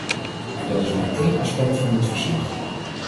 Maar dat is maar één aspect van dit verslag.